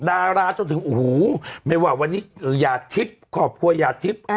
ดาราจนถึงโอ้โหไม่ว่าวันนี้หยาดทิพย์ครอบครัวหยาดทิพย์